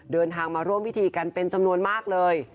เดินทางมาร่วมพิธีกันเป็นจำนวนมากเลย